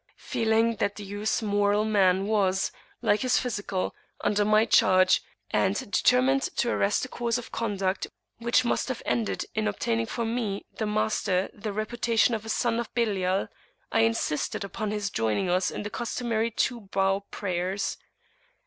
Feeling that the youth's "moral man" was, like his physical, under my charge, and determined to arrest a course of conduct which must have ended in obtaining for me, the master, the reputation of a "son of Belial," I insisted upon his joining us in the customary two bow prayers.